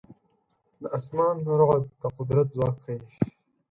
د اسمان رعد د قدرت ځواک ښيي.